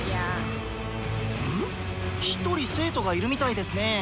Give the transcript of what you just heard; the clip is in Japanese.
⁉１人生徒がいるみたいですね！